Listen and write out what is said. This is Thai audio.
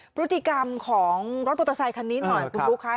พฤติกรรมของรถมอเตอร์ไซคันนี้หน่อยคุณบุ๊คค่ะ